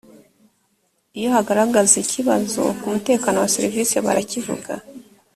iyo hagaragara ikibazo ku mutekano wa serivisi barakivuga.